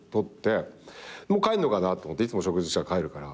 もう帰るのかなと思っていつも食事したら帰るから。